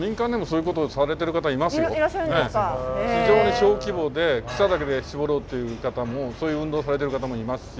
非常に小規模で草だけで搾ろうっていう方もそういう運動をされてる方もいますし。